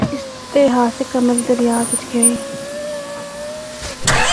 اس دے خاصے کمرے دریا بچ گئے۔